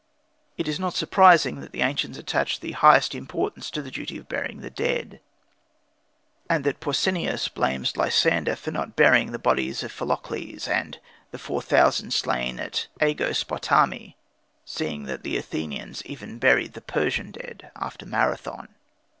It is not surprising that the ancients attached the highest importance to the duty of burying the dead, and that Pausanias blames Lysander for not burying the bodies of Philocles and the four thousand slain at Ægospotami, seeing that the Athenians even buried the Persian dead after Marathon.